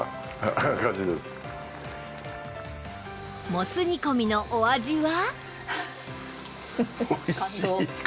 もつ煮込みのお味は？